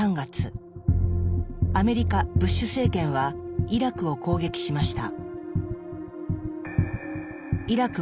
アメリカ・ブッシュ政権はイラクを攻撃しました。